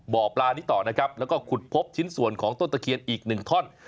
บ่อปลานี้ต่อนะครับแล้วก็ขุดพบชิ้นส่วนของต้นตะเคียนอีกหนึ่งท่อน